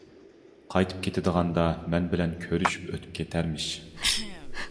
قايتىپ كېتىدىغاندا مەن بىلەن كۆرۈشۈپ ئۆتۈپ كېتەرمىش.